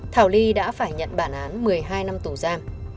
thảo ly đã phải nhận bản án một mươi hai năm tù giam